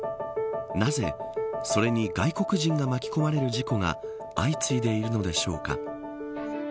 なぜ、それに外国人が巻き込まれる事故が相次いでいるのでしょうか。